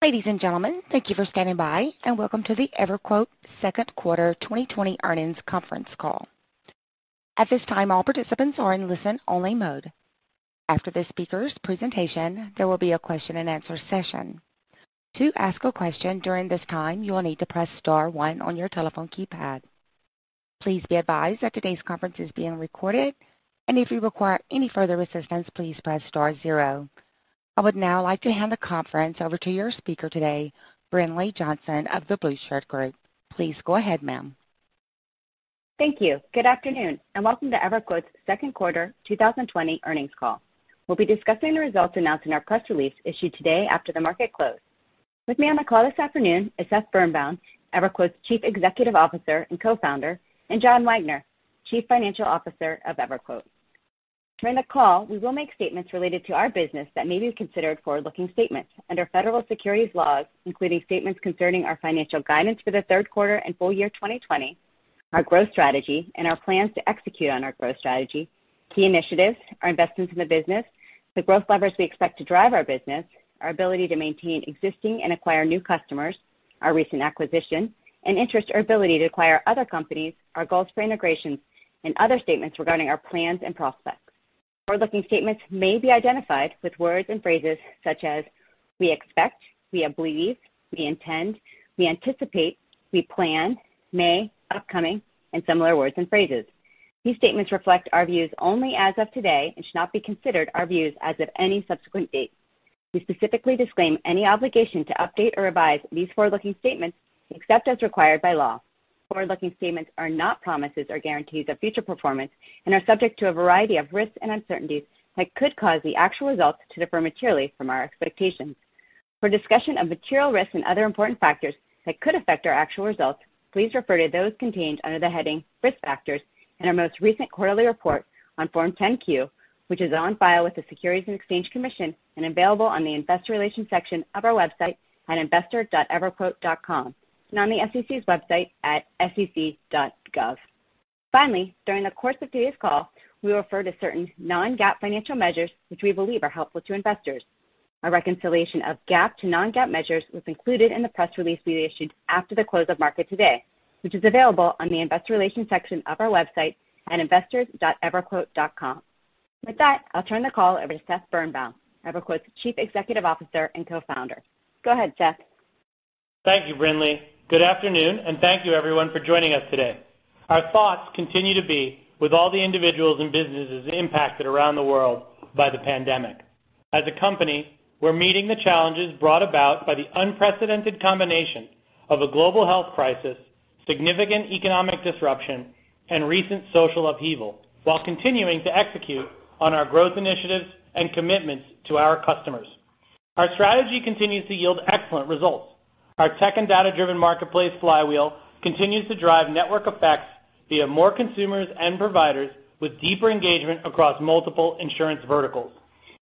Ladies and gentlemen, thank you for standing by and welcome to the EverQuote second quarter 2020 Earnings Conference Call. At this time, all participants are in listen-only mode. After the speakers' presentation, there will be a question and answer session. To ask a question during this time, you will need to press star one on your telephone keypad. Please be advised that today's conference is being recorded, and if you require any further assistance, please press star zero. I would now like to hand the conference over to your speaker today, Brinlea Johnson of The Blueshirt Group. Please go ahead, ma'am. Thank you. Good afternoon, and welcome to EverQuote's second quarter 2020 Earnings Call. We'll be discussing the results announced in our press release issued today after the market closed. With me on the call this afternoon is Seth Birnbaum, EverQuote's Chief Executive Officer and co-founder, and John Wagner, Chief Financial Officer of EverQuote. During the call, we will make statements related to our business that may be considered forward-looking statements under federal securities laws, including statements concerning our financial guidance for the third quarter and full year 2020, our growth strategy and our plans to execute on our growth strategy, key initiatives, our investments in the business, the growth levers we expect to drive our business, our ability to maintain existing and acquire new customers, our recent acquisition, and interest or ability to acquire other companies, our goals for integrations, and other statements regarding our plans and prospects. Forward-looking statements may be identified with words and phrases such as "we expect," "we believe," "we intend," "we anticipate," "we plan," "may," "upcoming," and similar words and phrases. These statements reflect our views only as of today and should not be considered our views as of any subsequent date. We specifically disclaim any obligation to update or revise these forward-looking statements except as required by law. Forward-looking statements are not promises or guarantees of future performance and are subject to a variety of risks and uncertainties that could cause the actual results to differ materially from our expectations. For discussion of material risks and other important factors that could affect our actual results, please refer to those contained under the heading Risk Factors in our most recent quarterly report on Form 10-Q, which is on file with the Securities and Exchange Commission and available on the investor relations section of our website at investor.everquote.com and on the SEC's website at sec.gov. During the course of today's call, we will refer to certain non-GAAP financial measures which we believe are helpful to investors. A reconciliation of GAAP to non-GAAP measures was included in the press release we issued after the close of market today, which is available on the investor relations section of our website at investors.everquote.com. With that, I'll turn the call over to Seth Birnbaum, EverQuote's Chief Executive Officer and co-founder. Go ahead, Seth. Thank you, Brinlea. Good afternoon, thank you everyone for joining us today. Our thoughts continue to be with all the individuals and businesses impacted around the world by the pandemic. As a company, we're meeting the challenges brought about by the unprecedented combination of a global health crisis, significant economic disruption, and recent social upheaval while continuing to execute on our growth initiatives and commitments to our customers. Our strategy continues to yield excellent results. Our tech and data-driven marketplace flywheel continues to drive network effects via more consumers and providers with deeper engagement across multiple insurance verticals.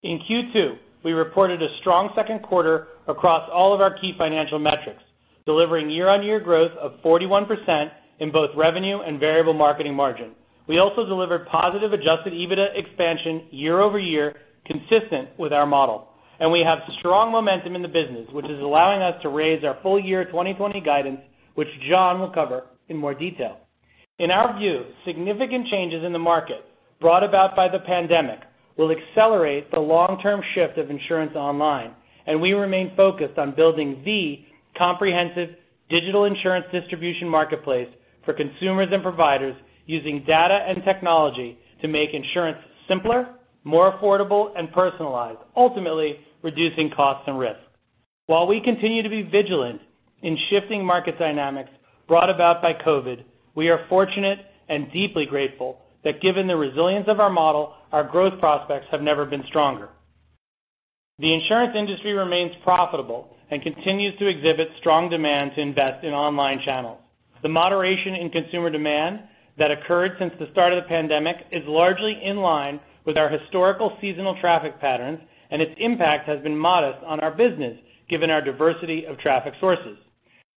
In Q2, we reported a strong second quarter across all of our key financial metrics, delivering year-on-year growth of 41% in both revenue and variable marketing margin. We also delivered positive adjusted EBITDA expansion year-over-year consistent with our model, and we have strong momentum in the business, which is allowing us to raise our full year 2020 guidance, which John will cover in more detail. In our view, significant changes in the market brought about by the pandemic will accelerate the long-term shift of insurance online, and we remain focused on building the comprehensive digital insurance distribution marketplace for consumers and providers using data and technology to make insurance simpler, more affordable and personalized, ultimately reducing costs and risk. While we continue to be vigilant in shifting market dynamics brought about by COVID, we are fortunate and deeply grateful that given the resilience of our model, our growth prospects have never been stronger. The insurance industry remains profitable and continues to exhibit strong demand to invest in online channels. The moderation in consumer demand that occurred since the start of the pandemic is largely in line with our historical seasonal traffic patterns, and its impact has been modest on our business, given our diversity of traffic sources.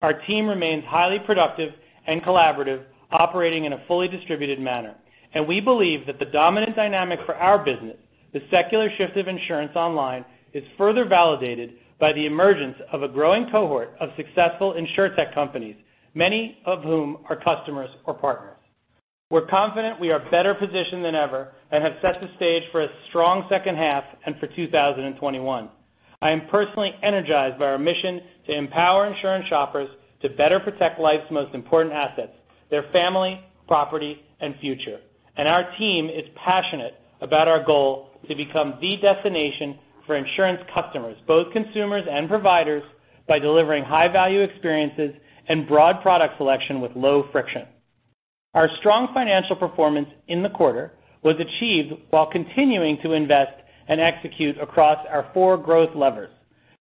Our team remains highly productive and collaborative, operating in a fully distributed manner, and we believe that the dominant dynamic for our business, the secular shift of insurance online, is further validated by the emergence of a growing cohort of successful insurtech companies, many of whom are customers or partners. We're confident we are better positioned than ever and have set the stage for a strong second half and for 2021. I am personally energized by our mission to empower insurance shoppers to better protect life's most important assets, their family, property, and future. Our team is passionate about our goal to become the destination for insurance customers, both consumers and providers, by delivering high-value experiences and broad product selection with low friction. Our strong financial performance in the quarter was achieved while continuing to invest and execute across our four growth levers.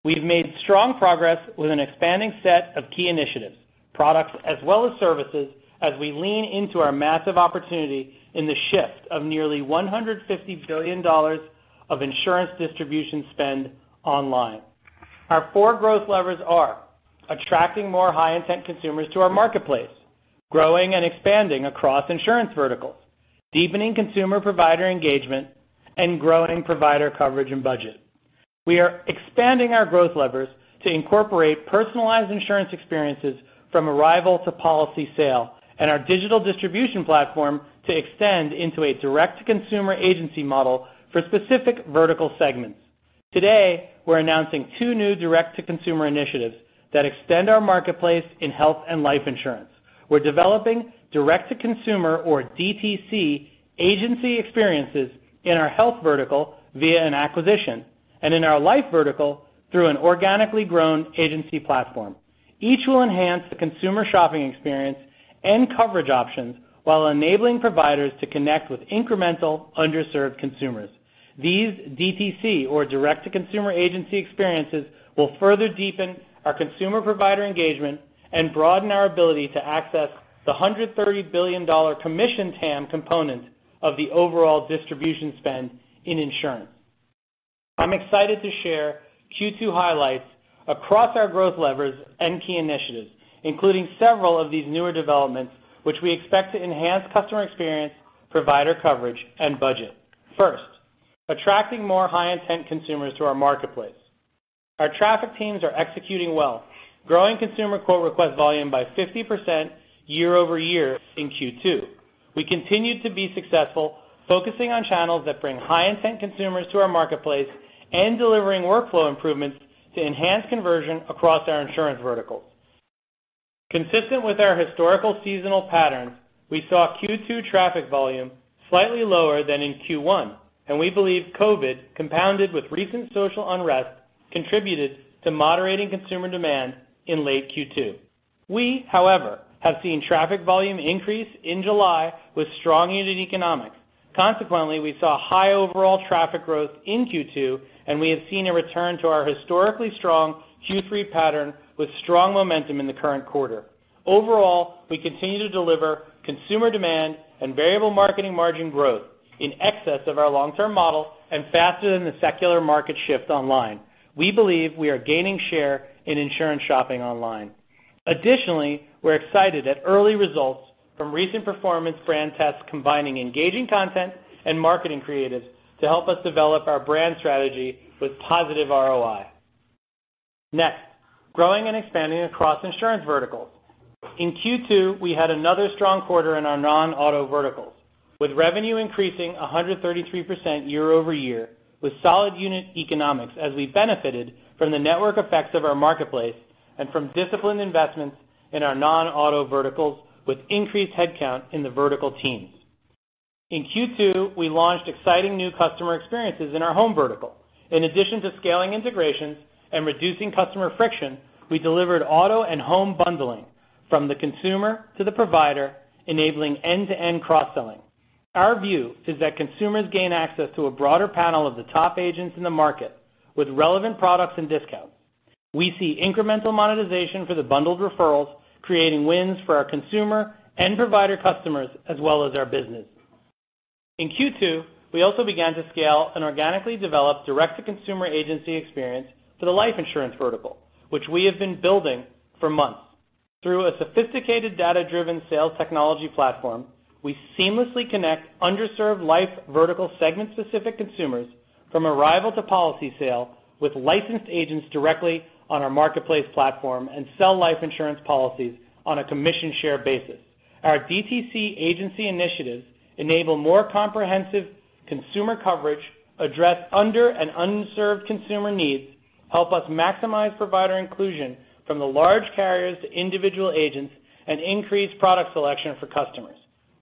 We've made strong progress with an expanding set of key initiatives, products, as well as services as we lean into our massive opportunity in the shift of nearly $150 billion of insurance distribution spend online. Our four growth levers are attracting more high-intent consumers to our marketplace, growing and expanding across insurance verticals, deepening consumer provider engagement, and growing provider coverage and budget. We are expanding our growth levers to incorporate personalized insurance experiences from arrival to policy sale, and our digital distribution platform to extend into a Direct-to-Consumer agency model for specific vertical segments. Today, we're announcing two new direct-to-consumer initiatives that extend our marketplace in health and life insurance. We're developing direct-to-consumer, or DTC agency experiences in our health vertical via an acquisition, and in our life vertical through an organically grown agency platform. Each will enhance the consumer shopping experience and coverage options while enabling providers to connect with incremental underserved consumers. These DTC or direct-to-consumer agency experiences will further deepen our consumer provider engagement and broaden our ability to access the $130 billion commission TAM component of the overall distribution spend in insurance. I'm excited to share Q2 highlights across our growth levers and key initiatives, including several of these newer developments, which we expect to enhance customer experience, provider coverage, and budget. First, attracting more high-intent consumers to our marketplace. Our traffic teams are executing well, growing consumer quote request volume by 50% year-over-year in Q2. We continued to be successful focusing on channels that bring high-intent consumers to our marketplace and delivering workflow improvements to enhance conversion across our insurance verticals. Consistent with our historical seasonal pattern, we saw Q2 traffic volume slightly lower than in Q1, and we believe COVID, compounded with recent social unrest, contributed to moderating consumer demand in late Q2. We, however, have seen traffic volume increase in July with strong unit economics. Consequently, we saw high overall traffic growth in Q2, and we have seen a return to our historically strong Q3 pattern with strong momentum in the current quarter. Overall, we continue to deliver consumer demand and variable marketing margin growth in excess of our long-term model and faster than the secular market shift online. We believe we are gaining share in insurance shopping online. Additionally, we're excited at early results from recent performance brand tests combining engaging content and marketing creatives to help us develop our brand strategy with positive ROI. Next, growing and expanding across insurance verticals. In Q2, we had another strong quarter in our non-auto verticals, with revenue increasing 133% year-over-year with solid unit economics as we benefited from the network effects of our marketplace and from disciplined investments in our non-auto verticals with increased headcount in the vertical teams. In Q2, we launched exciting new customer experiences in our home vertical. In addition to scaling integrations and reducing customer friction, we delivered auto and home bundling from the consumer to the provider, enabling end-to-end cross-selling. Our view is that consumers gain access to a broader panel of the top agents in the market with relevant products and discounts. We see incremental monetization for the bundled referrals, creating wins for our consumer and provider customers, as well as our business. In Q2, we also began to scale an organically developed direct-to-consumer agency experience for the life insurance vertical, which we have been building for months. Through a sophisticated data-driven sales technology platform, we seamlessly connect underserved life vertical segment-specific consumers from arrival to policy sale with licensed agents directly on our marketplace platform and sell life insurance policies on a commission share basis. Our DTC agency initiatives enable more comprehensive consumer coverage, address under and unserved consumer needs, help us maximize provider inclusion from the large carriers to individual agents, and increase product selection for customers.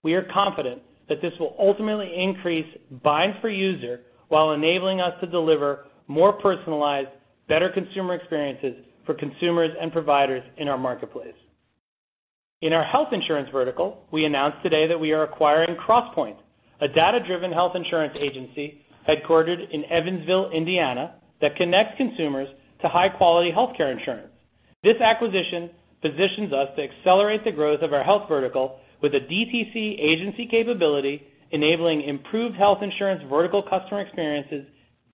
We are confident that this will ultimately increase bind per user while enabling us to deliver more personalized, better consumer experiences for consumers and providers in our marketplace. In our health insurance vertical, we announced today that we are acquiring Crosspointe, a data-driven health insurance agency headquartered in Evansville, Indiana, that connects consumers to high-quality healthcare insurance. This acquisition positions us to accelerate the growth of our health vertical with a DTC agency capability, enabling improved health insurance vertical customer experiences,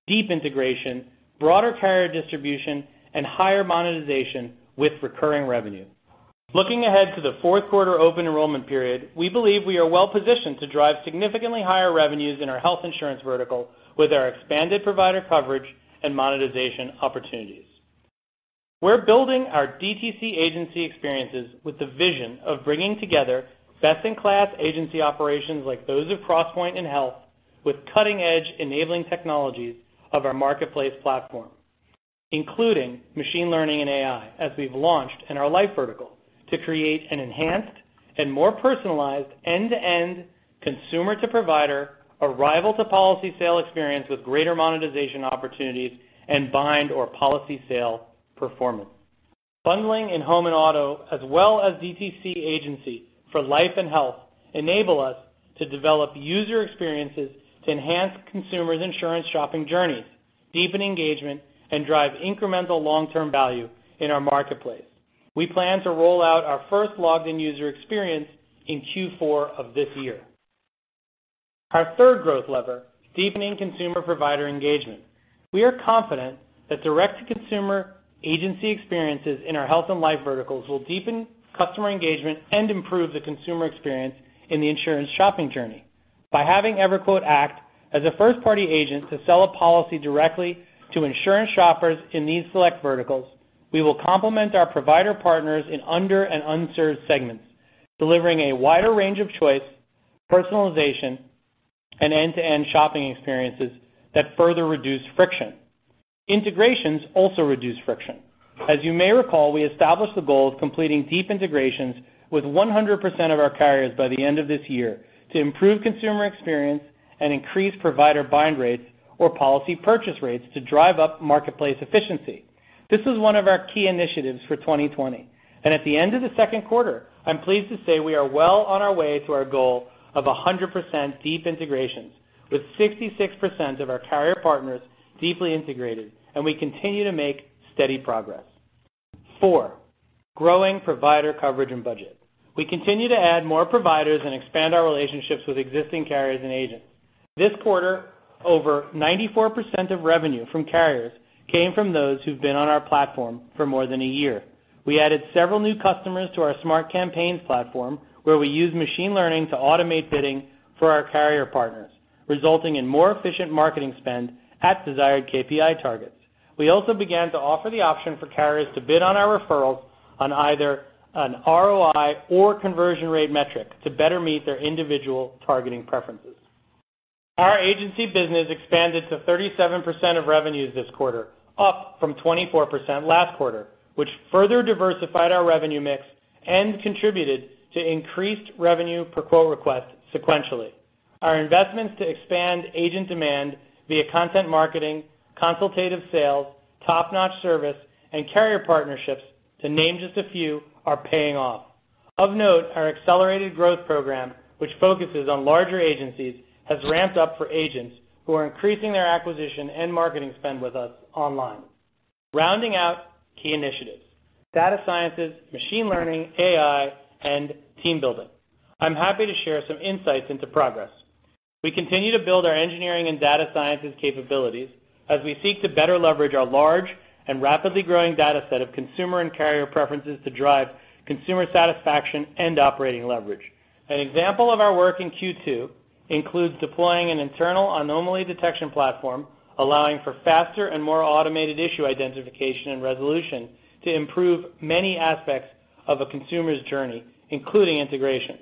deep integration, broader carrier distribution, and higher monetization with recurring revenue. Looking ahead to the fourth quarter Open Enrollment Period, we believe we are well positioned to drive significantly higher revenues in our health insurance vertical with our expanded provider coverage and monetization opportunities. We're building our DTC agency experiences with the vision of bringing together best-in-class agency operations like those of Crosspointe in health with cutting-edge enabling technologies of our marketplace platform, including machine learning and AI, as we've launched in our life vertical to create an enhanced and more personalized end-to-end consumer to provider, arrival to policy sale experience with greater monetization opportunities and bind or policy sale performance. Bundling in home and auto, as well as DTC agency for life and health, enable us to develop user experiences to enhance consumers' insurance shopping journeys, deepen engagement, and drive incremental long-term value in our marketplace. We plan to roll out our first logged-in user experience in Q4 of this year. Our third growth lever, deepening consumer provider engagement. We are confident that direct-to-consumer agency experiences in our health and life verticals will deepen customer engagement and improve the consumer experience in the insurance shopping journey. By having EverQuote act as a first-party agent to sell a policy directly to insurance shoppers in these select verticals, we will complement our provider partners in under and unserved segments, delivering a wider range of choice, personalization, and end-to-end shopping experiences that further reduce friction. Integrations also reduce friction. As you may recall, we established the goal of completing deep integrations with 100% of our carriers by the end of this year to improve consumer experience and increase provider bind rates or policy purchase rates to drive up marketplace efficiency. This is one of our key initiatives for 2020, and at the end of the second quarter, I'm pleased to say we are well on our way to our goal of 100% deep integrations, with 66% of our carrier partners deeply integrated, and we continue to make steady progress. Four, growing provider coverage and budget. We continue to add more providers and expand our relationships with existing carriers and agents. This quarter, over 94% of revenue from carriers came from those who've been on our platform for more than a year. We added several new customers to our Smart Campaigns platform, where we use machine learning to automate bidding for our carrier partners, resulting in more efficient marketing spend at desired KPI targets. We also began to offer the option for carriers to bid on our referrals on either an ROI or conversion rate metric to better meet their individual targeting preferences. Our agency business expanded to 37% of revenues this quarter, up from 24% last quarter, which further diversified our revenue mix and contributed to increased revenue per quote request sequentially. Our investments to expand agent demand via content marketing, consultative sales, top-notch service, and carrier partnerships, to name just a few, are paying off. Of note, our accelerated growth program, which focuses on larger agencies, has ramped up for agents who are increasing their acquisition and marketing spend with us online. Rounding out key initiatives, data sciences, machine learning, AI, and team building. I'm happy to share some insights into progress. We continue to build our engineering and data sciences capabilities as we seek to better leverage our large and rapidly growing data set of consumer and carrier preferences to drive consumer satisfaction and operating leverage. An example of our work in Q2 includes deploying an internal anomaly detection platform, allowing for faster and more automated issue identification and resolution to improve many aspects of a consumer's journey, including integrations.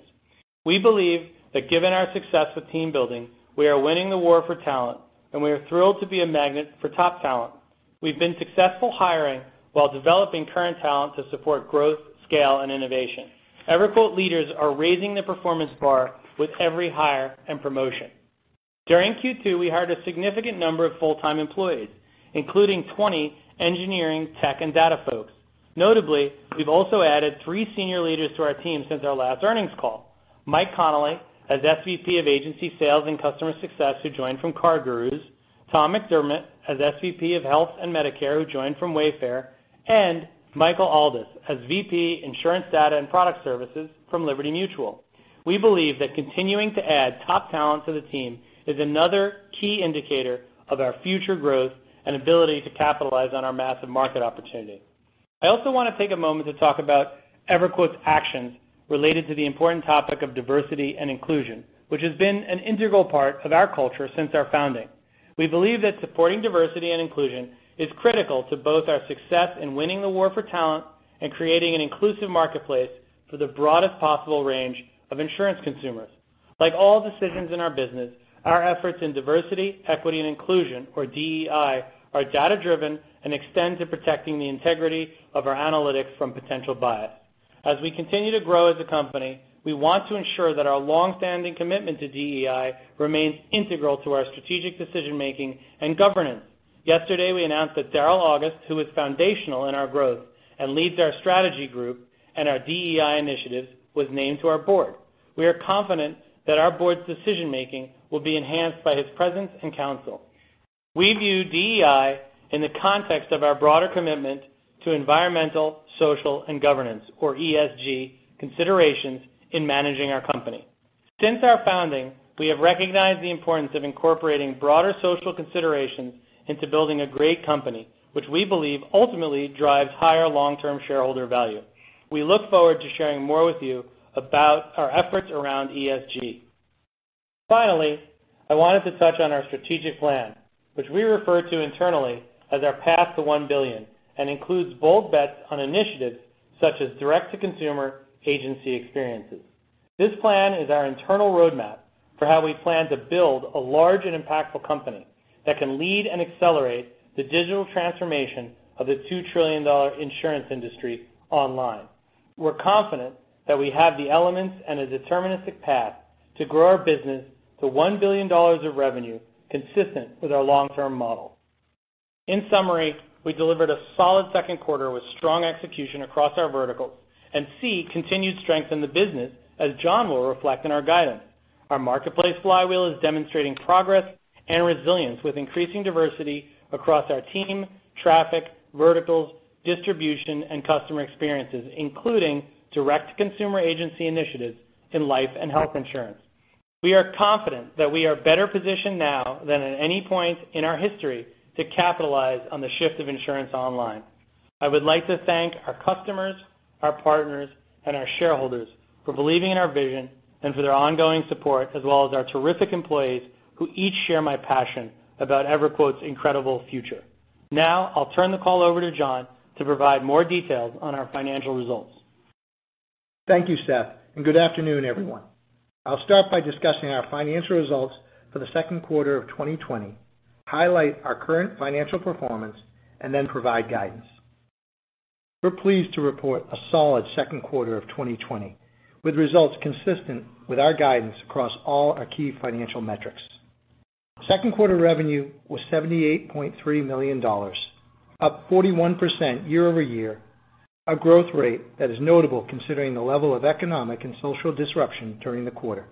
We believe that given our success with team building, we are winning the war for talent. We are thrilled to be a magnet for top talent. We've been successful hiring while developing current talent to support growth, scale, and innovation. EverQuote leaders are raising the performance bar with every hire and promotion. During Q2, we hired a significant number of full-time employees, including 20 engineering, tech, and data folks. Notably, we've also added three senior leaders to our team since our last earnings call. Mike Connolly, as SVP of Agency Sales and Customer Success, who joined from CarGurus, Tom McDermott as SVP of Health and Medicare, who joined from Wayfair, and Michael Aldous as VP, Insurance Data and Product Services from Liberty Mutual. We believe that continuing to add top talent to the team is another key indicator of our future growth and ability to capitalize on our massive market opportunity. I also want to take a moment to talk about EverQuote's actions related to the important topic of diversity and inclusion, which has been an integral part of our culture since our founding. We believe that supporting diversity and inclusion is critical to both our success in winning the war for talent and creating an inclusive marketplace for the broadest possible range of insurance consumers. Like all decisions in our business, our efforts in diversity, equity, and inclusion, or DEI, are data-driven and extend to protecting the integrity of our analytics from potential bias. As we continue to grow as a company, we want to ensure that our long-standing commitment to DEI remains integral to our strategic decision-making and governance. Yesterday, we announced that Darryl Auguste, who was foundational in our growth and leads our strategy group and our DEI initiatives, was named to our board. We are confident that our board's decision-making will be enhanced by his presence and counsel. We view DEI in the context of our broader commitment to environmental, social, and governance, or ESG, considerations in managing our company. Since our founding, we have recognized the importance of incorporating broader social considerations into building a great company, which we believe ultimately drives higher long-term shareholder value. We look forward to sharing more with you about our efforts around ESG. Finally, I wanted to touch on our strategic plan, which we refer to internally as our path to $1 billion and includes bold bets on initiatives such as direct-to-consumer agency experiences. This plan is our internal roadmap for how we plan to build a large and impactful company that can lead and accelerate the digital transformation of the $2 trillion insurance industry online. We're confident that we have the elements and a deterministic path to grow our business to $1 billion of revenue consistent with our long-term model. In summary, we delivered a solid second quarter with strong execution across our verticals and see continued strength in the business, as John will reflect in our guidance. Our marketplace flywheel is demonstrating progress and resilience with increasing diversity across our team, traffic, verticals, distribution, and customer experiences, including direct-to-consumer agency initiatives in life and health insurance. We are confident that we are better positioned now than at any point in our history to capitalize on the shift of insurance online. I would like to thank our customers, our partners, and our shareholders for believing in our vision and for their ongoing support, as well as our terrific employees who each share my passion about EverQuote's incredible future. Now, I'll turn the call over to John to provide more details on our financial results. Thank you, Seth, and good afternoon, everyone. I'll start by discussing our financial results for the second quarter of 2020, highlight our current financial performance, and then provide guidance. We're pleased to report a solid second quarter of 2020, with results consistent with our guidance across all our key financial metrics. Second quarter revenue was $78.3 million, up 41% year-over-year, a growth rate that is notable considering the level of economic and social disruption during the quarter.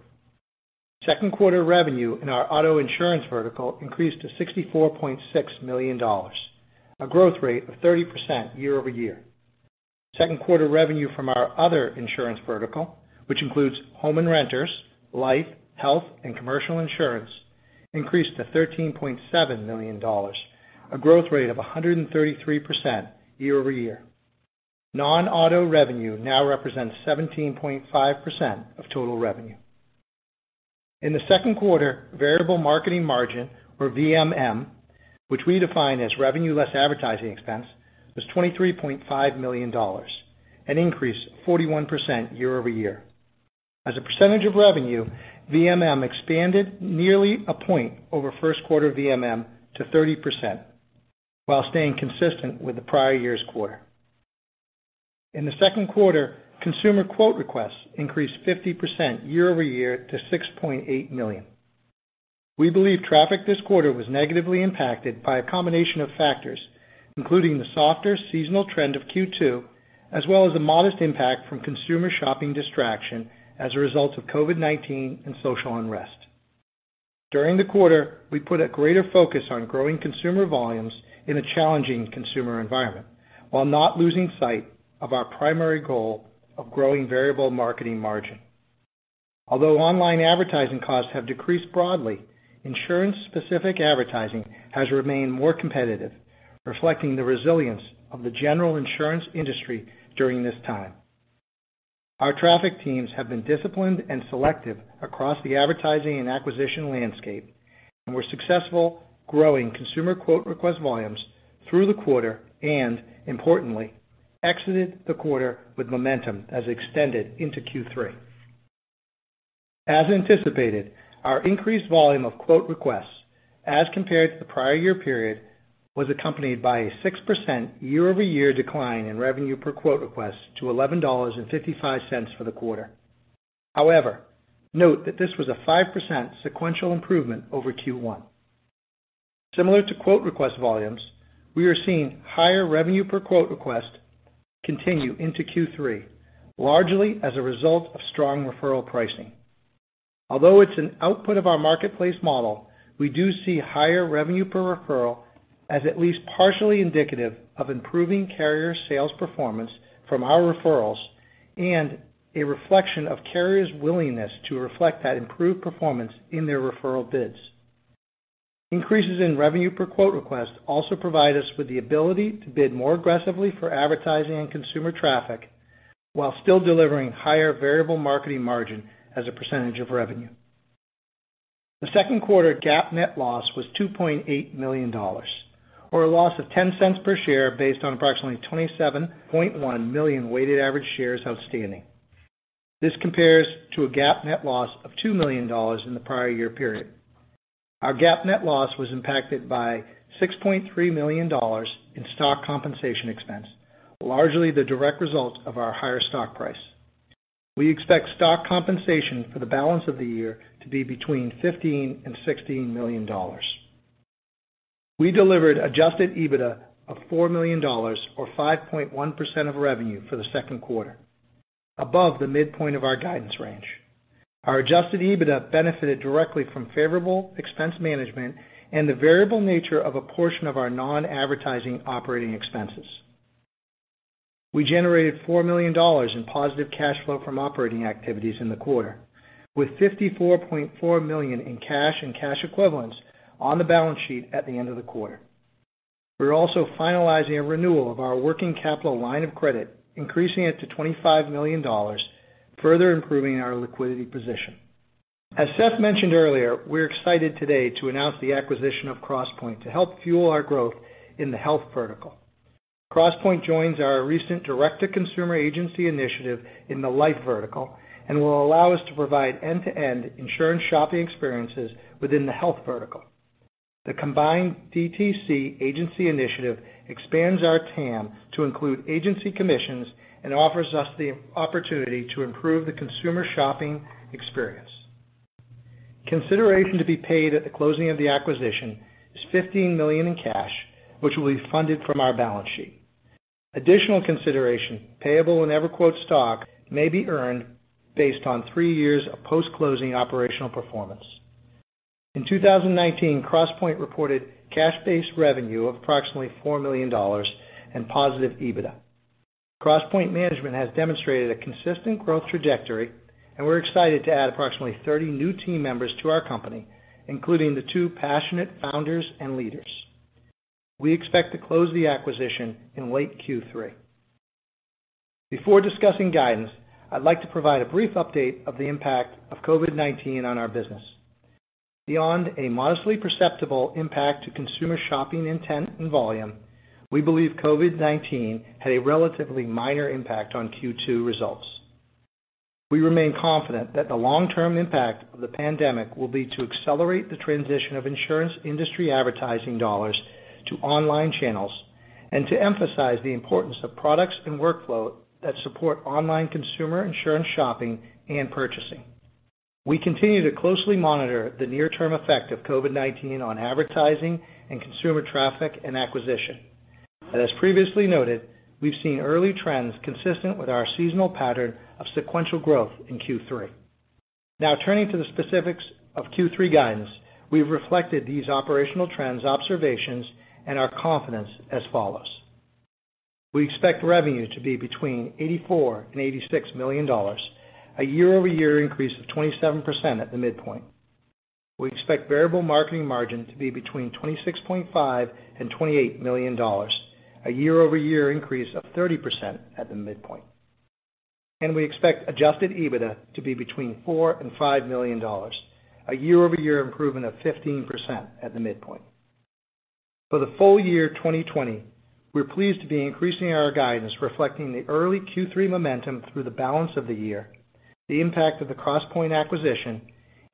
Second quarter revenue in our auto insurance vertical increased to $64.6 million, a growth rate of 30% year-over-year. Second quarter revenue from our other insurance vertical, which includes home and renters, life, health, and commercial insurance, increased to $13.7 million, a growth rate of 133% year-over-year. Non-auto revenue now represents 17.5% of total revenue. In the second quarter, variable marketing margin, or VMM, which we define as revenue less advertising expense, was $23.5 million, an increase of 41% year-over-year. As a percentage of revenue, VMM expanded nearly a point over first quarter VMM to 30%, while staying consistent with the prior year's quarter. In the second quarter, consumer quote requests increased 50% year-over-year to 6.8 million. We believe traffic this quarter was negatively impacted by a combination of factors, including the softer seasonal trend of Q2, as well as a modest impact from consumer shopping distraction as a result of COVID-19 and social unrest. During the quarter, we put a greater focus on growing consumer volumes in a challenging consumer environment, while not losing sight of our primary goal of growing variable marketing margin. Although online advertising costs have decreased broadly, insurance-specific advertising has remained more competitive, reflecting the resilience of the general insurance industry during this time. Our traffic teams have been disciplined and selective across the advertising and acquisition landscape and were successful growing consumer quote request volumes through the quarter and, importantly, exited the quarter with momentum as extended into Q3. As anticipated, our increased volume of quote requests, as compared to the prior year period, was accompanied by a 6% year-over-year decline in revenue per quote request to $11.55 for the quarter. However, note that this was a 5% sequential improvement over Q1. Similar to quote request volumes, we are seeing higher revenue per quote request continue into Q3, largely as a result of strong referral pricing. Although it's an output of our marketplace model, we do see higher revenue per referral as at least partially indicative of improving carrier sales performance from our referrals, and a reflection of carriers' willingness to reflect that improved performance in their referral bids. Increases in revenue per quote request also provide us with the ability to bid more aggressively for advertising and consumer traffic while still delivering higher variable marketing margin as a percentage of revenue. The second quarter GAAP net loss was $2.8 million, or a loss of $0.10 per share based on approximately 27.1 million weighted average shares outstanding. This compares to a GAAP net loss of $2 million in the prior year period. Our GAAP net loss was impacted by $6.3 million in stock compensation expense, largely the direct result of our higher stock price. We expect stock compensation for the balance of the year to be between $15 million and $16 million. We delivered adjusted EBITDA of $4 million, or 5.1% of revenue for the second quarter, above the midpoint of our guidance range. Our adjusted EBITDA benefited directly from favorable expense management and the variable nature of a portion of our non-advertising operating expenses. We generated $4 million in positive cash flow from operating activities in the quarter, with $54.4 million in cash and cash equivalents on the balance sheet at the end of the quarter. We're also finalizing a renewal of our working capital line of credit, increasing it to $25 million, further improving our liquidity position. As Seth mentioned earlier, we're excited today to announce the acquisition of Crosspointe to help fuel our growth in the health vertical. Crosspointe joins our recent direct-to-consumer agency initiative in the life vertical and will allow us to provide end-to-end insurance shopping experiences within the health vertical. The combined DTC agency initiative expands our TAM to include agency commissions and offers us the opportunity to improve the consumer shopping experience. Consideration to be paid at the closing of the acquisition is $15 million in cash, which will be funded from our balance sheet. Additional consideration, payable in EverQuote stock, may be earned based on three years of post-closing operational performance. In 2019, Crosspointe reported cash base revenue of approximately $4 million and positive EBITDA. Crosspointe management has demonstrated a consistent growth trajectory, and we're excited to add approximately 30 new team members to our company, including the two passionate founders and leaders. We expect to close the acquisition in late Q3. Before discussing guidance, I'd like to provide a brief update of the impact of COVID-19 on our business. Beyond a modestly perceptible impact to consumer shopping intent and volume, we believe COVID-19 had a relatively minor impact on Q2 results. We remain confident that the long-term impact of the pandemic will be to accelerate the transition of insurance industry advertising dollars to online channels, and to emphasize the importance of products and workflow that support online consumer insurance shopping and purchasing. We continue to closely monitor the near-term effect of COVID-19 on advertising and consumer traffic and acquisition. As previously noted, we've seen early trends consistent with our seasonal pattern of sequential growth in Q3. Turning to the specifics of Q3 guidance, we've reflected these operational trends, observations, and our confidence as follows. We expect revenue to be between $84 million and $86 million, a year-over-year increase of 27% at the midpoint. We expect variable marketing margin to be between $26.5 million and $28 million, a year-over-year increase of 30% at the midpoint. We expect adjusted EBITDA to be between $4 million and $5 million, a year-over-year improvement of 15% at the midpoint. For the full year 2020, we're pleased to be increasing our guidance, reflecting the early Q3 momentum through the balance of the year, the impact of the Crosspointe acquisition,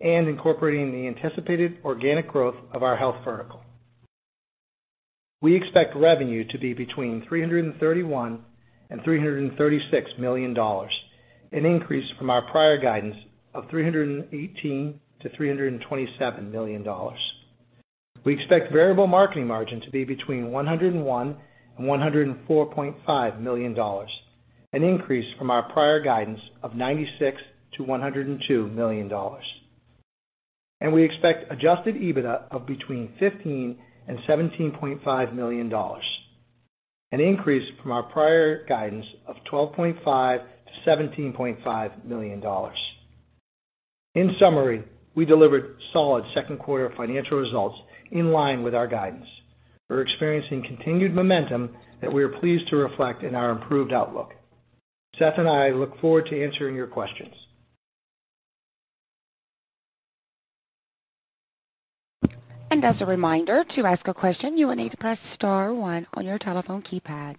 and incorporating the anticipated organic growth of our health vertical. We expect revenue to be between $331 million and $336 million, an increase from our prior guidance of $318 million-$327 million. We expect variable marketing margin to be between $101 million and $104.5 million, an increase from our prior guidance of $96 million-$102 million. We expect adjusted EBITDA of $15 million-$17.5 million, an increase from our prior guidance of $12.5 million-$17.5 million. In summary, we delivered solid second quarter financial results in line with our guidance. We're experiencing continued momentum that we are pleased to reflect in our improved outlook. Seth and I look forward to answering your questions. As a reminder, to ask a question, you will need to press star one on your telephone keypad.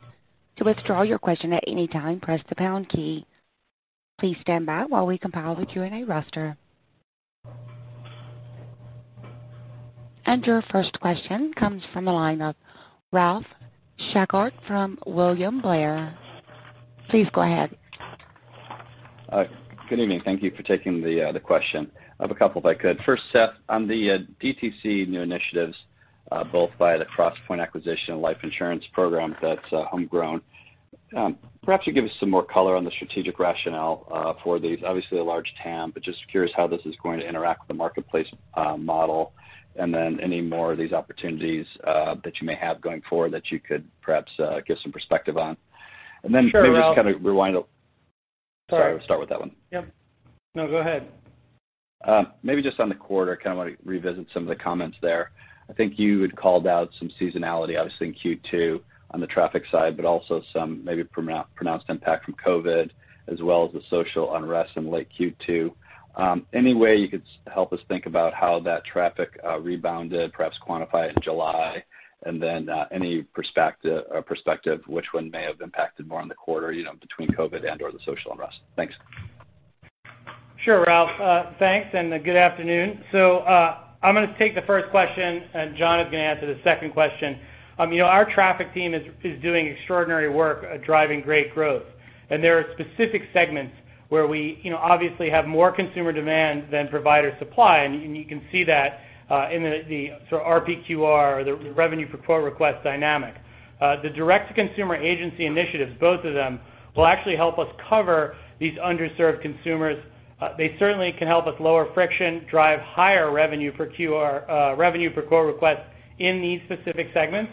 To withdraw your question at any time, press the pound key. Please stand by while we compile the Q&A roster. Your first question comes from the line of Ralph Schackart from William Blair. Please go ahead. Good evening. Thank you for taking the question. I have a couple, if I could. First, Seth, on the DTC new initiatives, both by the Crosspointe acquisition and life insurance program that's homegrown, perhaps you give us some more color on the strategic rationale for these. Obviously a large TAM, but just curious how this is going to interact with the marketplace model, and then any more of these opportunities that you may have going forward that you could perhaps give some perspective on. Sure, Ralph. Maybe just kind of rewind. Sorry, we'll start with that one. Yep. No, go ahead. Maybe just on the quarter, kind of want to revisit some of the comments there. I think you had called out some seasonality, obviously in Q2 on the traffic side, but also some maybe pronounced impact from COVID, as well as the social unrest in late Q2. Any way you could help us think about how that traffic rebounded, perhaps quantify it in July, and then any perspective which one may have impacted more on the quarter, between COVID and/or the social unrest? Thanks. Sure, Ralph. Thanks, and good afternoon. I'm going to take the first question, and John is going to answer the second question. Our traffic team is doing extraordinary work at driving great growth. There are specific segments where we obviously have more consumer demand than provider supply, and you can see that in the RPQR, the revenue per quote request dynamic. The Direct-to-Consumer agency initiatives, both of them, will actually help us cover these underserved consumers. They certainly can help us lower friction, drive higher revenue per QR, revenue per quote request in these specific segments.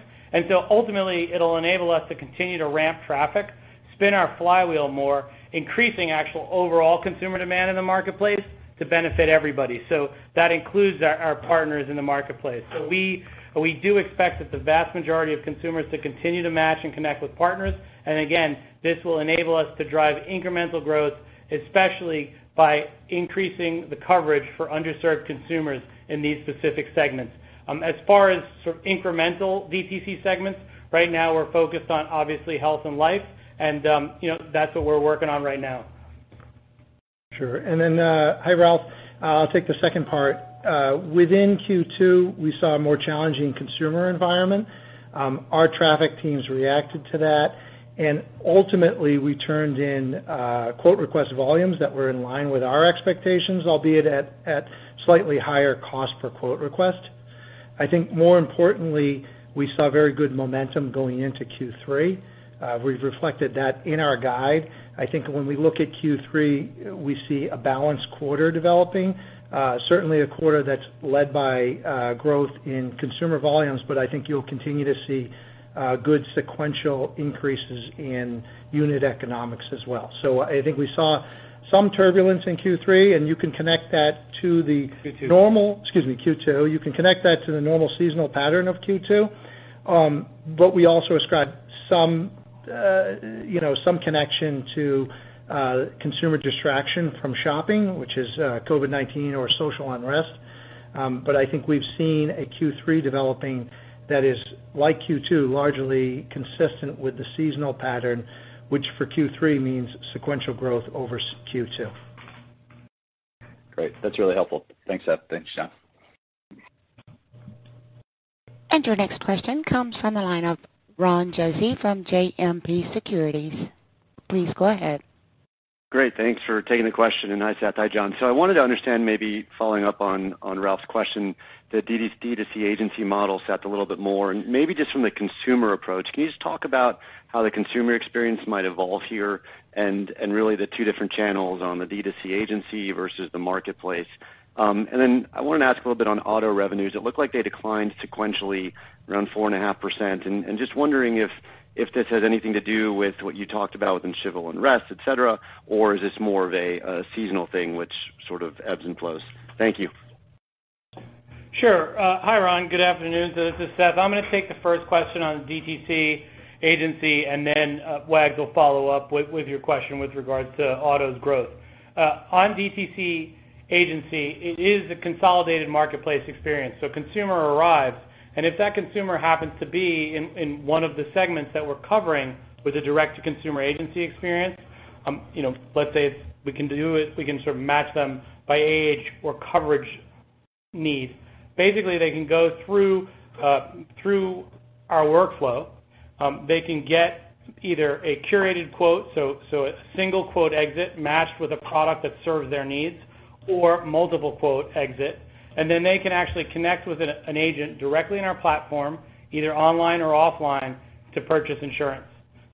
Ultimately, it'll enable us to continue to ramp traffic, spin our flywheel more, increasing actual overall consumer demand in the marketplace to benefit everybody. That includes our partners in the marketplace. We do expect that the vast majority of consumers to continue to match and connect with partners. Again, this will enable us to drive incremental growth, especially by increasing the coverage for underserved consumers in these specific segments. As far as sort of incremental DTC segments, right now we're focused on obviously health and life and that's what we're working on right now. Sure. Hi, Ralph. I'll take the second part. Within Q2, we saw a more challenging consumer environment. Our traffic teams reacted to that, and ultimately we turned in quote request volumes that were in line with our expectations, albeit at slightly higher cost per quote request. I think more importantly, we saw very good momentum going into Q3. We've reflected that in our guide. I think when we look at Q3, we see a balanced quarter developing. Certainly, a quarter that's led by growth in consumer volumes, but I think you'll continue to see good sequential increases in unit economics as well. I think we saw some turbulence in Q3. Q2. Excuse me, Q2. You can connect that to the normal seasonal pattern of Q2. We also ascribed some connection to consumer distraction from shopping, which is COVID-19 or social unrest. I think we've seen a Q3 developing that is, like Q2, largely consistent with the seasonal pattern, which for Q3 means sequential growth over Q2. Great. That's really helpful. Thanks, Seth. Thanks, John. Your next question comes from the line of Ron Josey from JMP Securities. Please go ahead. Great. Thanks for taking the question, and hi, Seth. Hi, John. I wanted to understand, maybe following up on Ralph's question, the DTC agency model, Seth, a little bit more. Maybe just from the consumer approach, can you just talk about how the consumer experience might evolve here, and really the two different channels on the DTC agency versus the marketplace? I wanted to ask a little bit on auto revenues. It looked like they declined sequentially around 4.5%, and just wondering if this has anything to do with what you talked about within civil unrest, et cetera, or is this more of a seasonal thing which sort of ebbs and flows? Thank you. Sure. Hi, Ron. Good afternoon. This is Seth. I'm going to take the first question on DTC agency, and then Wag will follow up with your question with regards to autos growth. On DTC agency, it is a consolidated marketplace experience. A consumer arrives, and if that consumer happens to be in one of the segments that we're covering with a direct-to-consumer agency experience, let's say we can sort of match them by age or coverage needs. Basically, they can go through our workflow. They can get either a curated quote, so a single quote exit matched with a product that serves their needs, or multiple quote exit. They can actually connect with an agent directly in our platform, either online or offline, to purchase insurance.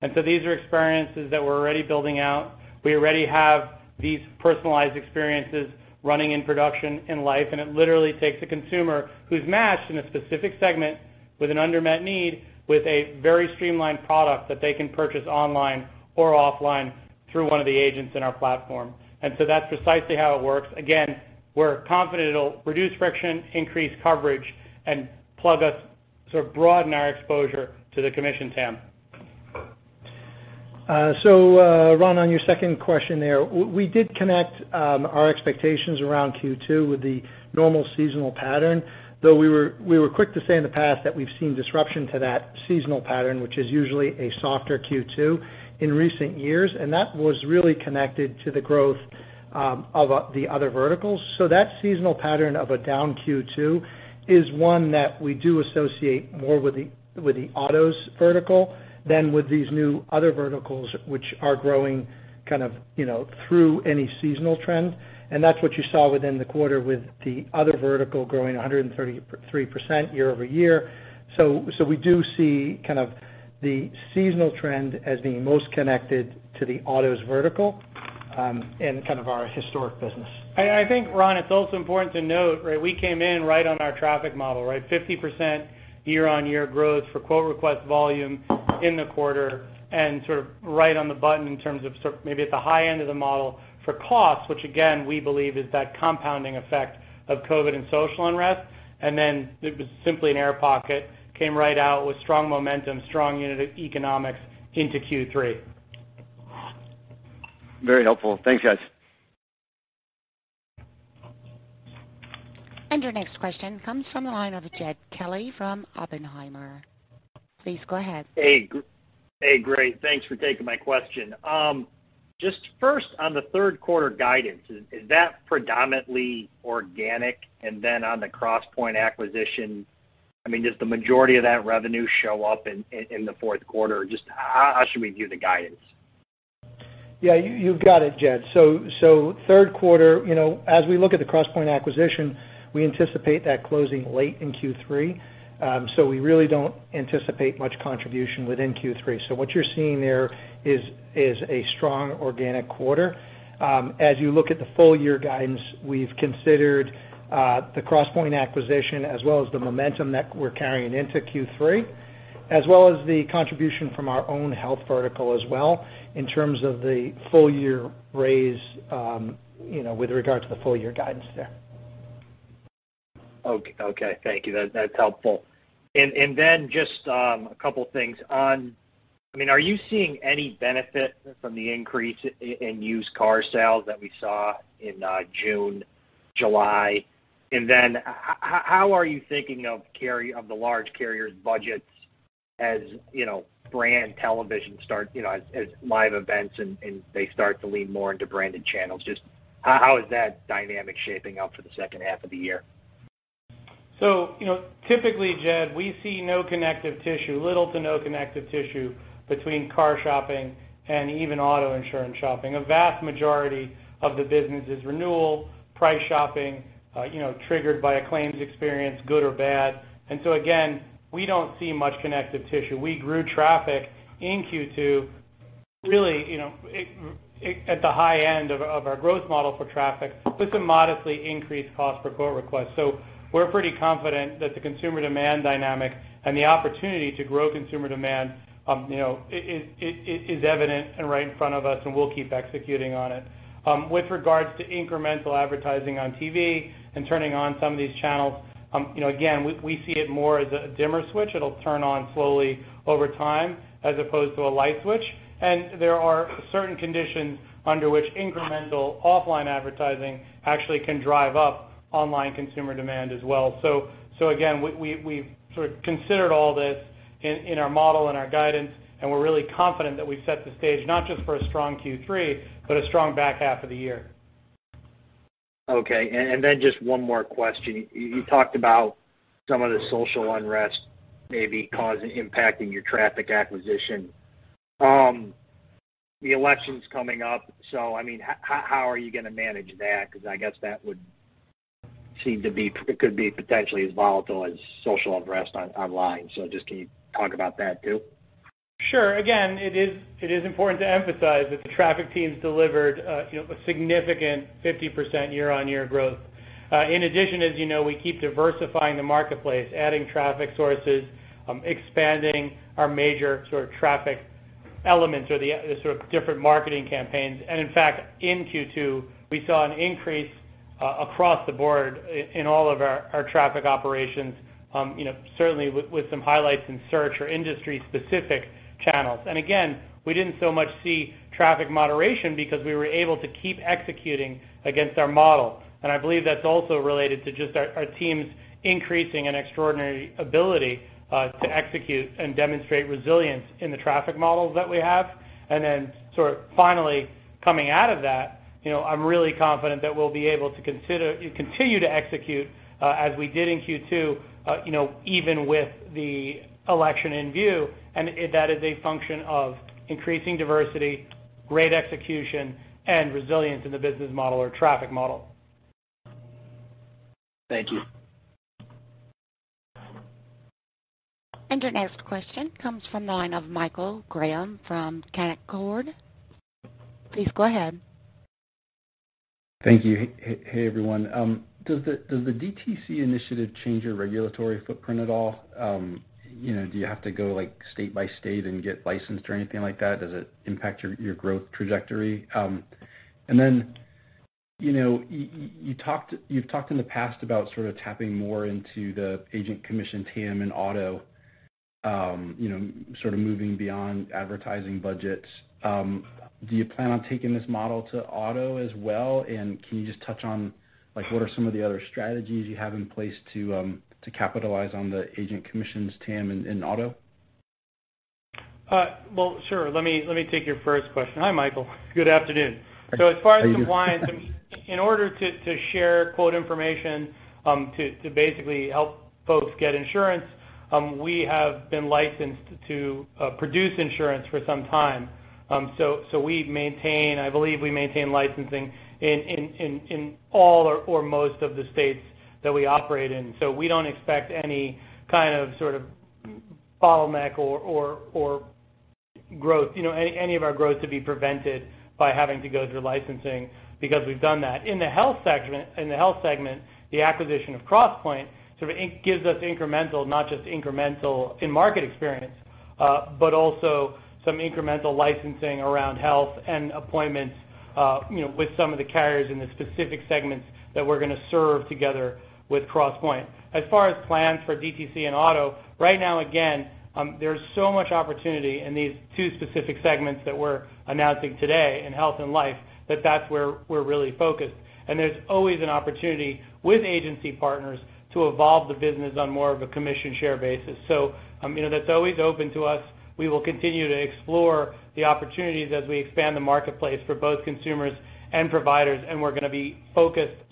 These are experiences that we're already building out. We already have these personalized experiences running in production in life, and it literally takes a consumer who's matched in a specific segment with an unmet need, with a very streamlined product that they can purchase online or offline through one of the agents in our platform. That's precisely how it works. Again, we're confident it'll reduce friction, increase coverage, and plug us to broaden our exposure to the commission TAM. Ron, on your second question there, we did connect our expectations around Q2 with the normal seasonal pattern, though we were quick to say in the past that we've seen disruption to that seasonal pattern, which is usually a softer Q2 in recent years. That was really connected to the growth of the other verticals. That seasonal pattern of a down Q2 is one that we do associate more with the autos vertical than with these new other verticals, which are growing kind of through any seasonal trend. That's what you saw within the quarter with the other vertical growing 133% year-over-year. We do see kind of the seasonal trend as being most connected to the autos vertical in kind of our historic business. I think, Ron, it's also important to note, we came in right on our traffic model. 50% year-on-year growth for quote request volume in the quarter, and sort of right on the button in terms of maybe at the high end of the model for costs, which again, we believe is that compounding effect of COVID and social unrest. Then it was simply an air pocket, came right out with strong momentum, strong unit economics into Q3. Very helpful. Thanks, guys. Your next question comes from the line of Jed Kelly from Oppenheimer. Please go ahead. Hey. Great. Thanks for taking my question. Just first on the third quarter guidance, is that predominantly organic? On the Crosspointe acquisition, does the majority of that revenue show up in the fourth quarter? Just how should we view the guidance? Yeah, you've got it, Jed. Third quarter, as we look at the Crosspointe acquisition, we anticipate that closing late in Q3. We really don't anticipate much contribution within Q3. What you're seeing there is a strong organic quarter. As you look at the full year guidance, we've considered the Crosspointe acquisition as well as the momentum that we're carrying into Q3, as well as the contribution from our own health vertical as well, in terms of the full year raise with regards to the full year guidance there. Okay. Thank you. That's helpful. Then just a couple of things. Are you seeing any benefit from the increase in used car sales that we saw in June, July? Then how are you thinking of the large carriers' budgets as brand television start as live events, and they start to lean more into branded channels? Just how is that dynamic shaping up for the second half of the year? Typically, Jed, we see no connective tissue, little to no connective tissue between car shopping and even auto insurance shopping. A vast majority of the business is renewal price shopping triggered by a claims experience, good or bad. Again, we don't see much connective tissue. We grew traffic in Q2, really at the high end of our growth model for traffic, with some modestly increased cost per quote request. We're pretty confident that the consumer demand dynamic and the opportunity to grow consumer demand is evident and right in front of us, and we'll keep executing on it. With regards to incremental advertising on TV and turning on some of these channels, again, we see it more as a dimmer switch. It'll turn on slowly over time as opposed to a light switch. There are certain conditions under which incremental offline advertising actually can drive up online consumer demand as well. Again, we've sort of considered all this in our model and our guidance, and we're really confident that we've set the stage not just for a strong Q3, but a strong back half of the year. Okay. Just one more question. You talked about some of the social unrest maybe impacting your traffic acquisition. The election's coming up, how are you going to manage that? I guess that could be potentially as volatile as social unrest online. Just can you talk about that too? Sure. It is important to emphasize that the traffic teams delivered a significant 50% year-on-year growth. In addition, as you know, we keep diversifying the marketplace, adding traffic sources, expanding our major traffic elements or the different marketing campaigns. In fact, in Q2, we saw an increase across the board in all of our traffic operations, certainly with some highlights in search or industry-specific channels. Again, we didn't so much see traffic moderation because we were able to keep executing against our model. I believe that's also related to just our teams increasing an extraordinary ability to execute and demonstrate resilience in the traffic models that we have. Sort of finally coming out of that, I'm really confident that we'll be able to continue to execute as we did in Q2 even with the election in view, and that is a function of increasing diversity, great execution, and resilience in the business model or traffic model. Thank you. Your next question comes from the line of Michael Graham from Canaccord. Please go ahead. Thank you. Hey, everyone. Does the DTC initiative change your regulatory footprint at all? Do you have to go state by state and get licensed or anything like that? Does it impact your growth trajectory? Then, you've talked in the past about sort of tapping more into the agent commission TAM in auto, sort of moving beyond advertising budgets. Do you plan on taking this model to auto as well? Can you just touch on what are some of the other strategies you have in place to capitalize on the agent commissions TAM in auto? Well, sure. Let me take your first question. Hi, Michael. Good afternoon. How are you? As far as the plans, in order to share quote information to basically help folks get insurance, we have been licensed to produce insurance for some time. I believe we maintain licensing in all or most of the states that we operate in. We don't expect any kind of problematic or any of our growth to be prevented by having to go through licensing because we've done that. In the health segment, the acquisition of Crosspointe sort of gives us incremental, not just incremental in market experience, but also some incremental licensing around health and appointments with some of the carriers in the specific segments that we're going to serve together with Crosspointe. As far as plans for DTC and auto, right now, again, there's so much opportunity in these two specific segments that we're announcing today in health and life, that that's where we're really focused. There's always an opportunity with agency partners to evolve the business on more of a commission share basis. That's always open to us. We will continue to explore the opportunities as we expand the marketplace for both consumers and providers. We're going to be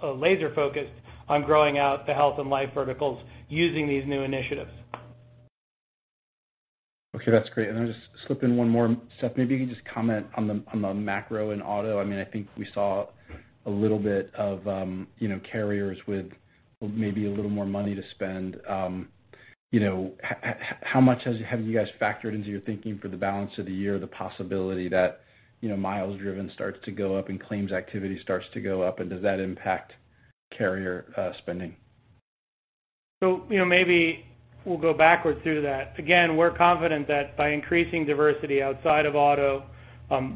laser-focused on growing out the health and life verticals using these new initiatives. Okay, that's great. I'll just slip in one more. Seth, maybe you can just comment on the macro in auto. I think we saw a little bit of carriers with maybe a little more money to spend. How much have you guys factored into your thinking for the balance of the year, the possibility that miles driven starts to go up and claims activity starts to go up, and does that impact carrier spending? Maybe we'll go backwards through that. We're confident that by increasing diversity outside of auto,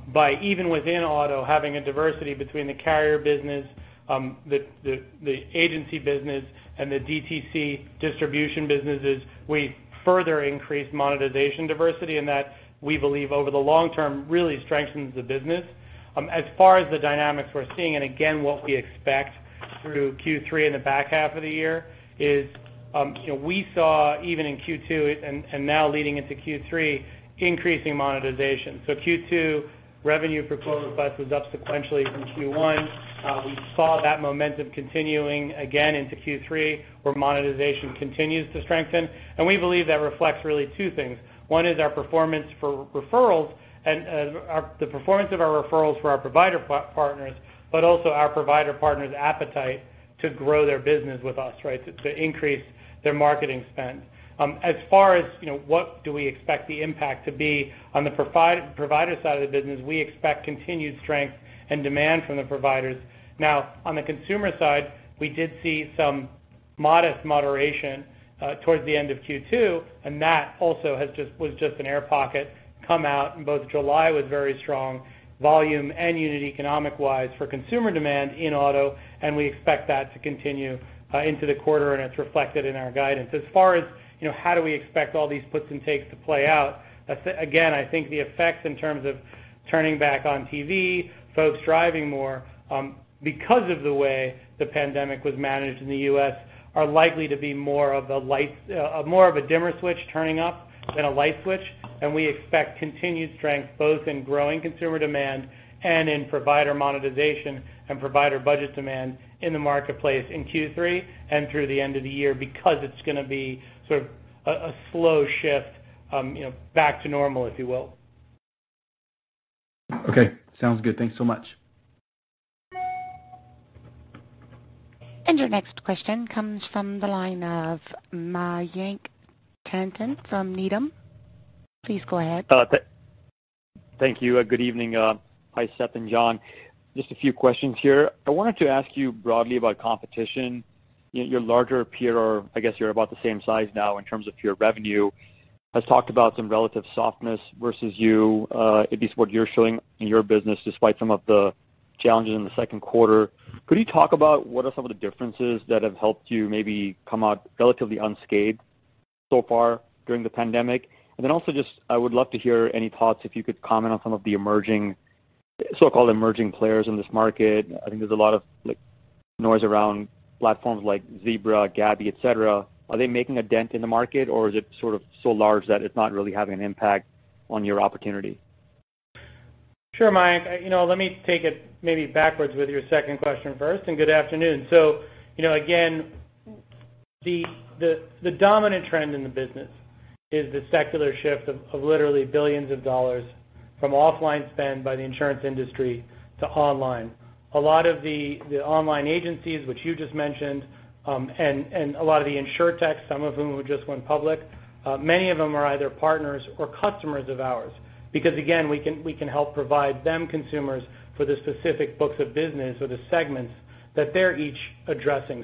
by even within auto, having a diversity between the carrier business, the agency business, and the DTC distribution businesses, we further increase monetization diversity, and that we believe over the long term really strengthens the business. As far as the dynamics we're seeing, and again, what we expect through Q3 in the back half of the year is, we saw even in Q2 and now leading into Q3, increasing monetization. Q2 revenue for Quote Plus was up sequentially from Q1. We saw that momentum continuing again into Q3, where monetization continues to strengthen. We believe that reflects really two things. One is our performance for referrals and the performance of our referrals for our provider partners, but also our provider partners' appetite to grow their business with us, to increase their marketing spend. As far as, what do we expect the impact to be on the provider side of the business, we expect continued strength and demand from the providers. Now, on the consumer side, we did see some modest moderation towards the end of Q2, and that also was just an air pocket come out. Both July was very strong, volume and unit economic-wise for consumer demand in auto, and we expect that to continue into the quarter, and it's reflected in our guidance. As far as how do we expect all these puts and takes to play out, again, I think the effects in terms of turning back on TV, folks driving more, because of the way the pandemic was managed in the U.S., are likely to be more of a dimmer switch turning up than a light switch. We expect continued strength both in growing consumer demand and in provider monetization and provider budget demand in the marketplace in Q3 and through the end of the year, because it's going to be sort of a slow shift back to normal, if you will. Okay. Sounds good. Thanks so much. Your next question comes from the line of Mayank Tandon from Needham. Please go ahead. Thank you. Good evening. Hi, Seth and John. Just a few questions here. I wanted to ask you broadly about competition. Your larger peer, or I guess you're about the same size now in terms of pure revenue, has talked about some relative softness versus you, at least what you're showing in your business, despite some of the challenges in the second quarter. Could you talk about what are some of the differences that have helped you maybe come out relatively unscathed so far during the pandemic? Also just, I would love to hear any thoughts, if you could comment on some of the so-called emerging players in this market. I think there's a lot of noise around platforms like Zebra, Gabi, et cetera. Are they making a dent in the market, or is it sort of so large that it's not really having an impact on your opportunity? Sure, Mayank. Let me take it maybe backwards with your second question first, and good afternoon. Again, the dominant trend in the business is the secular shift of literally billions of dollars from offline spend by the insurance industry to online. A lot of the online agencies, which you just mentioned, and a lot of the insurtech, some of whom who just went public, many of them are either partners or customers of ours. Again, we can help provide them consumers for the specific books of business or the segments that they're each addressing.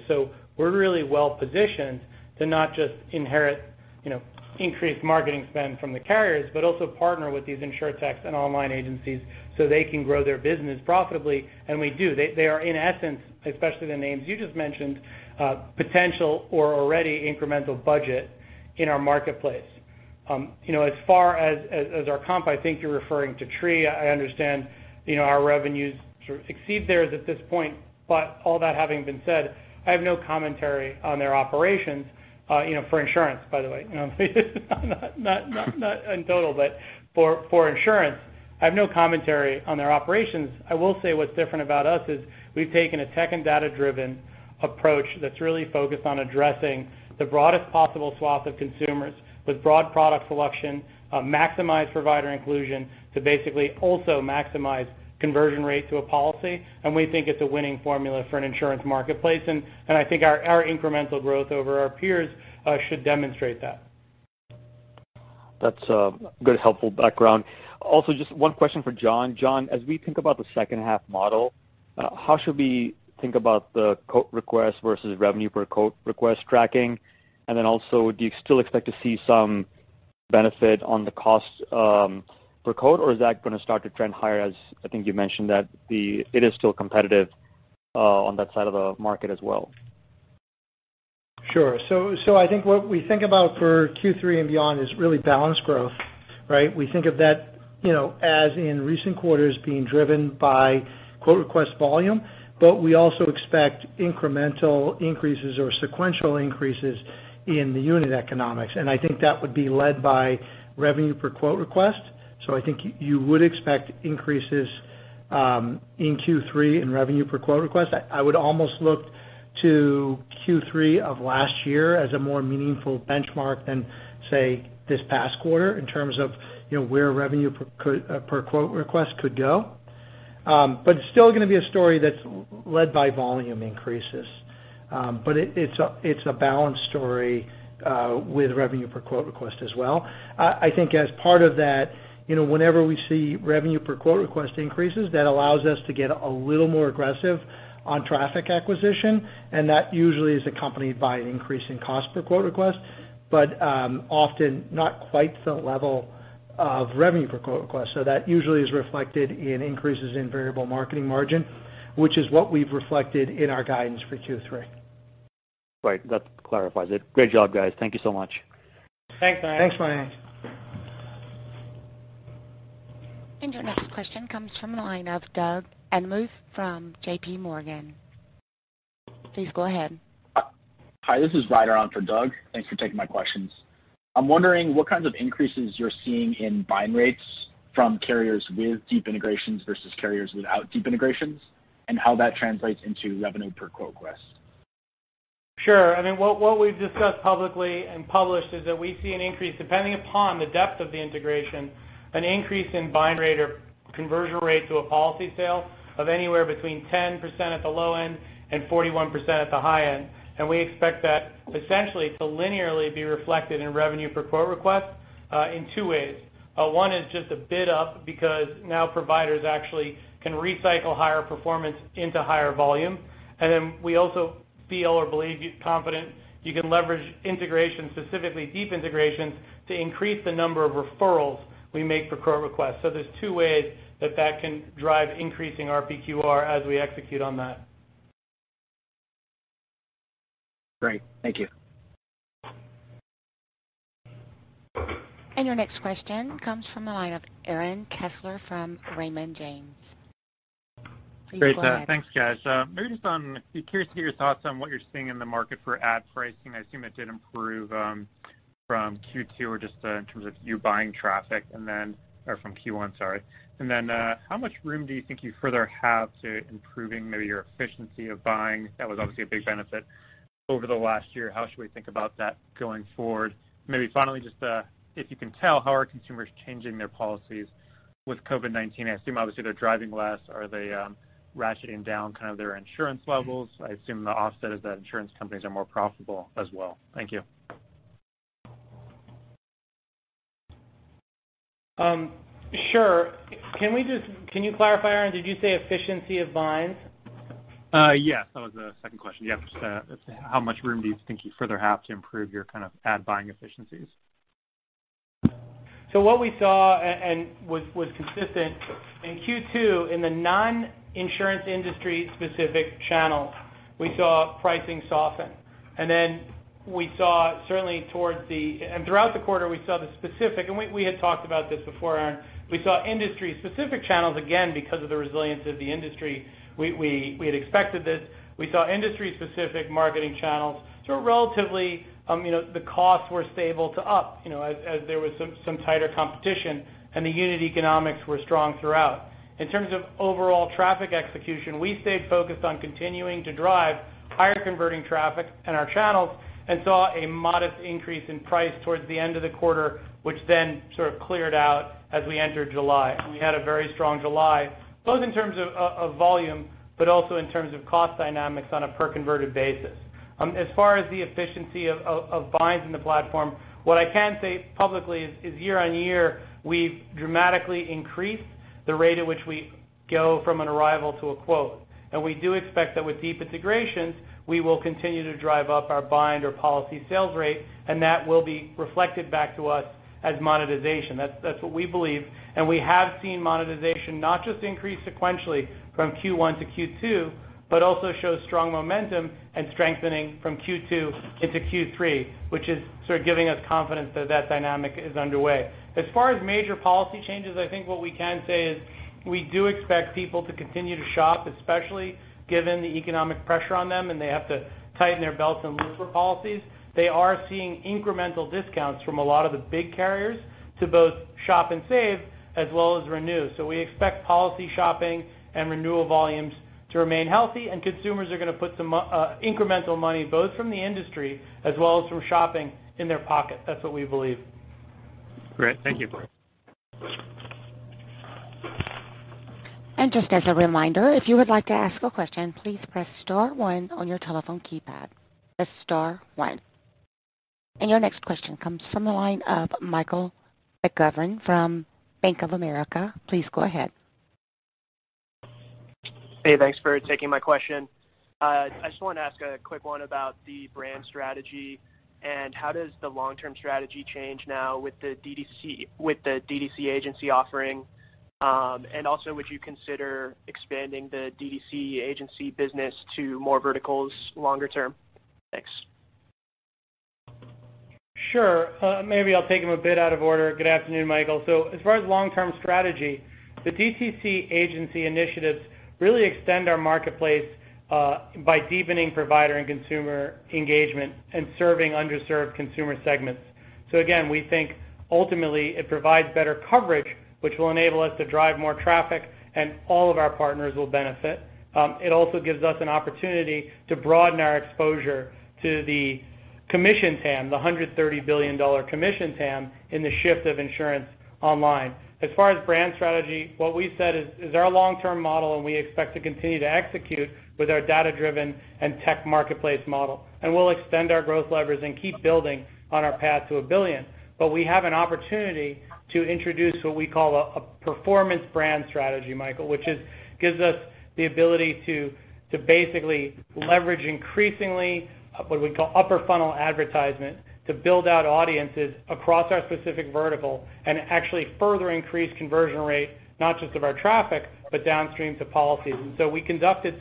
We're really well-positioned to not just inherit increased marketing spend from the carriers, but also partner with these insurtechs and online agencies so they can grow their business profitably, and we do. They are in essence, especially the names you just mentioned, potential or already incremental budget in our marketplace. As far as our comp, I think you're referring to LendingTree. I understand, our revenues sort of exceed theirs at this point. All that having been said, I have no commentary on their operations, for insurance, by the way. Not in total, but for insurance, I have no commentary on their operations. I will say what's different about us is we've taken a tech and data-driven approach that's really focused on addressing the broadest possible swath of consumers with broad product selection, maximized provider inclusion to basically also maximize conversion rate to a policy. We think it's a winning formula for an insurance marketplace. I think our incremental growth over our peers should demonstrate that. That's good, helpful background. Just one question for John. John, as we think about the second half model, how should we think about the quote request versus revenue per quote request tracking? Do you still expect to see some benefit on the cost per quote, or is that going to start to trend higher as I think you mentioned that it is still competitive on that side of the market as well? Sure. I think what we think about for Q3 and beyond is really balanced growth, right? We think of that, as in recent quarters, being driven by quote request volume, but we also expect incremental increases or sequential increases in the unit economics. I think that would be led by revenue per quote request. I think you would expect increases in Q3 in revenue per quote request. I would almost look to Q3 of last year as a more meaningful benchmark than, say, this past quarter in terms of where revenue per quote request could go. It's still going to be a story that's led by volume increases. It's a balanced story with revenue per quote request as well. I think as part of that, whenever we see revenue per quote request increases, that allows us to get a little more aggressive on traffic acquisition, that usually is accompanied by an increase in cost per quote request, but often not quite the level of revenue per quote request. That usually is reflected in increases in variable marketing margin, which is what we've reflected in our guidance for Q3. Right. That clarifies it. Great job, guys. Thank you so much. Thanks, Mayank. Thanks, Mayank. Your next question comes from the line of Doug Anmuth from JPMorgan. Please go ahead. Hi, this is Ryder on for Doug. Thanks for taking my questions. I'm wondering what kinds of increases you're seeing in bind rates from carriers with deep integrations versus carriers without deep integrations, and how that translates into revenue per quote request? Sure. What we've discussed publicly and published is that we see an increase, depending upon the depth of the integration, an increase in bind rate or conversion rate to a policy sale of anywhere between 10% at the low end and 41% at the high end. We expect that essentially to linearly be reflected in revenue per quote request, in two ways. One is just a bid up because now providers actually can recycle higher performance into higher volume. Then we also feel or believe with confidence you can leverage integration, specifically deep integrations, to increase the number of referrals we make per quote request. There's two ways that that can drive increasing RPQR as we execute on that. Great. Thank you. Your next question comes from the line of Aaron Kessler from Raymond James. Please go ahead. Great. Thanks, guys. Maybe, be curious to hear your thoughts on what you're seeing in the market for ad pricing. I assume it did improve from Q2 or just in terms of you buying traffic and then or from Q1, sorry. How much room do you think you further have to improving maybe your efficiency of buying? That was obviously a big benefit over the last year. How should we think about that going forward? Maybe finally, just if you can tell, how are consumers changing their policies with COVID-19? I assume obviously they're driving less. Are they ratcheting down their insurance levels? I assume the offset is that insurance companies are more profitable as well. Thank you. Sure. Can you clarify, Aaron, did you say efficiency of binds? Yes. That was the second question. Yep. Just how much room do you think you further have to improve your ad buying efficiencies? What we saw and was consistent in Q2 in the non-insurance industry specific channel, we saw pricing soften. Throughout the quarter we saw the specific, and we had talked about this before, Aaron, we saw industry specific channels again because of the resilience of the industry. We had expected this. We saw industry specific marketing channels sort of relatively, the costs were stable to up as there was some tighter competition and the unit economics were strong throughout. In terms of overall traffic execution, we stayed focused on continuing to drive higher converting traffic in our channels and saw a modest increase in price towards the end of the quarter, which then sort of cleared out as we entered July. We had a very strong July, both in terms of volume, but also in terms of cost dynamics on a per converted basis. As far as the efficiency of binds in the platform, what I can say publicly is year-on-year, we've dramatically increased the rate at which we go from an arrival to a quote. We do expect that with deep integrations, we will continue to drive up our bind or policy sales rate, and that will be reflected back to us as monetization. That's what we believe. We have seen monetization not just increase sequentially from Q1 to Q2, but also show strong momentum and strengthening from Q2 into Q3, which is sort of giving us confidence that dynamic is underway. As far as major policy changes, I think what we can say is we do expect people to continue to shop, especially given the economic pressure on them, and they have to tighten their belts and look for policies. They are seeing incremental discounts from a lot of the big carriers to both shop and save as well as renew. We expect policy shopping and renewal volumes to remain healthy and consumers are going to put some incremental money, both from the industry as well as from shopping in their pocket. That's what we believe. Great. Thank you. Just as a reminder, if you would like to ask a question, please press star one on your telephone keypad. That's star one. Your next question comes from the line of Michael McGovern from Bank of America. Please go ahead. Hey, thanks for taking my question. I just want to ask a quick one about the brand strategy and how does the long-term strategy change now with the DTC agency offering? Also, would you consider expanding the DTC agency business to more verticals longer term? Thanks. Sure. Maybe I'll take them a bit out of order. Good afternoon, Michael. As far as long-term strategy, the DTC agency initiatives really extend our marketplace by deepening provider and consumer engagement and serving underserved consumer segments. Again, we think ultimately it provides better coverage, which will enable us to drive more traffic and all of our partners will benefit. It also gives us an opportunity to broaden our exposure to the commission TAM, the $130 billion commission TAM in the shift of insurance online. As far as brand strategy, what we've said is our long-term model, and we expect to continue to execute with our data-driven and tech marketplace model. We'll extend our growth levers and keep building on our path to $1 Billion. We have an opportunity to introduce what we call a performance brand strategy, Michael, which gives us the ability to basically leverage increasingly what we call upper funnel advertisement to build out audiences across our specific vertical and actually further increase conversion rate, not just of our traffic, but downstream to policies. We conducted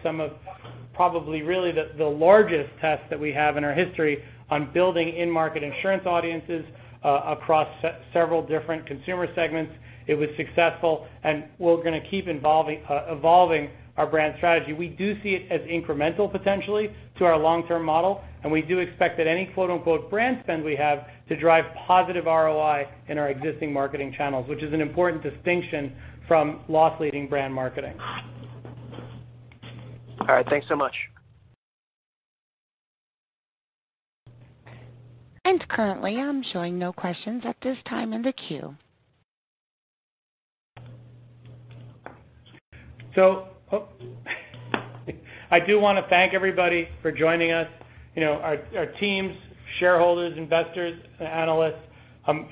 probably really the largest test that we have in our history on building in-market insurance audiences across several different consumer segments. It was successful, and we're going to keep evolving our brand strategy. We do see it as incremental potentially to our long-term model, and we do expect that any "brand spend" we have to drive positive ROI in our existing marketing channels, which is an important distinction from loss leading brand marketing. All right. Thanks so much. Currently I'm showing no questions at this time in the queue. I do want to thank everybody for joining us. Our teams, shareholders, investors, and analysts.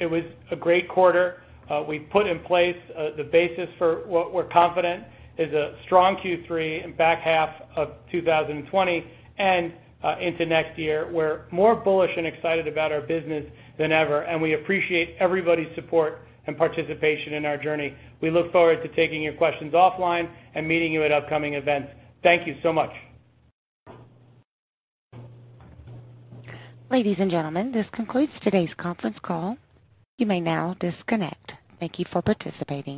It was a great quarter. We put in place the basis for what we're confident is a strong Q3 and back half of 2020 and into next year. We're more bullish and excited about our business than ever, and we appreciate everybody's support and participation in our journey. We look forward to taking your questions offline and meeting you at upcoming events. Thank you so much. Ladies and gentlemen, this concludes today's conference call. You may now disconnect. Thank you for participating.